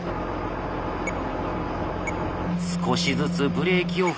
少しずつブレーキを踏んでいく。